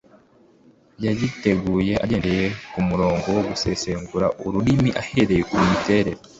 yagiteguye agendeye ku murongo wo gusesengura ururimi ahereye ku miterere